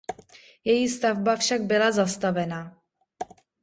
Její stavba však byla zastavena.